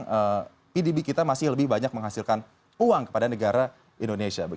karena pdb kita masih lebih banyak menghasilkan uang kepada negara indonesia